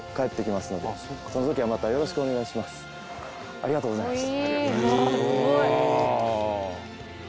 ありがとうございます。